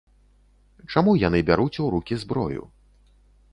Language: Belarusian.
Чаму яны бяруць у рукі зброю?